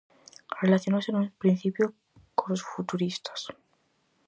Relacionouse nun principio cos futuristas.